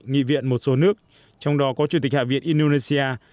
nghị viện một số nước trong đó có chủ tịch hạ viện indonesia